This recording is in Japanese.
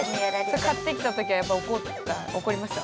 それ買った時はやっぱ怒りました？